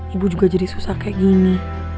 ibu juga jadi susah kayak gini